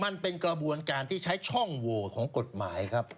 มันเป็นกระบวนการที่ใช้ช่องโหวของกฎหมายครับ